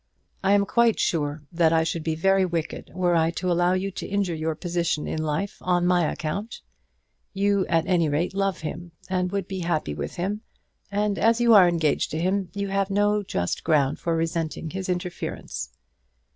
I am quite sure that I should be very wicked were I to allow you to injure your position in life on my account. You at any rate love him, and would be happy with him, and as you are engaged to him, you have no just ground for resenting his interference.